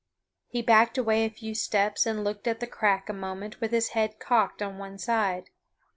He backed away a few steps and looked at the crack a moment with his head cocked on one side.